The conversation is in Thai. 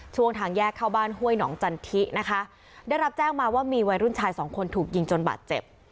ทางแยกเข้าบ้านห้วยหนองจันทินะคะได้รับแจ้งมาว่ามีวัยรุ่นชายสองคนถูกยิงจนบาดเจ็บ